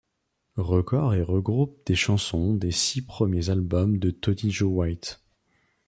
Records et regroupe des chansons des six premiers albums de Tony Joe White.